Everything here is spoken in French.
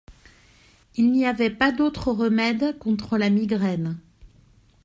Il n'y avait pas d'autre remède contre la migraine.